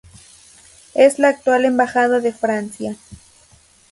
Es la actual embajada de Francia.